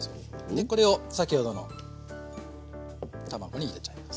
でこれを先ほどの卵に入れちゃいます。